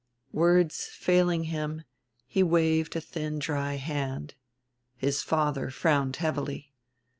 Words failing him, he waved a thin dry hand. His father frowned heavily.